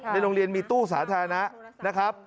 ในโรงเรียนมีตู้สาธารณะนะครับ